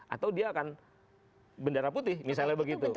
atau dia akan bendera putih misalnya begitu